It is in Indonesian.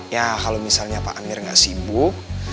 ya kalau misalnya pak amir nggak sibuk